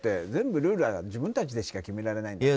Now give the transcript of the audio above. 全部ルールは自分たちでしか決められない。